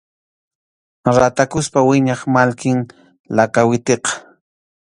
Ratakuspa wiñaq mallkim lakawitiqa.